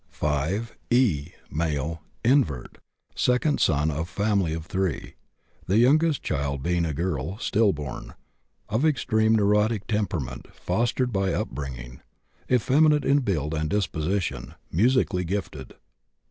5. E., male, invert, second son of family of 3, the youngest child being a girl, stillborn. Of extreme neurotic temperament fostered by upbringing. Effeminate in build and disposition; musically gifted.